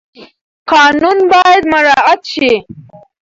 قانون باید مراعات شي.